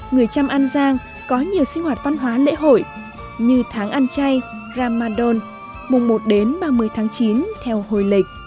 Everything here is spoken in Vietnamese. người chăm an giang có nhiều sinh hoạt văn hóa lễ hội như tháng an chay ramadan mùng một đến ba mươi tháng chín theo hồi lịch